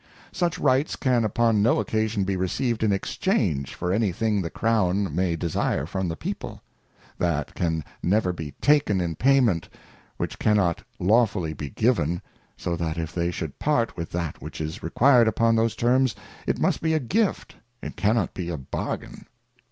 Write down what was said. Such Rights can upon no occasion be received in exchange for any thing the Crown may desire from the People : That can never be taken in payment, which cannot lawfully be given, so that if they should part with that which is required upon those terms, it must be a gift, it cannot be a bargain.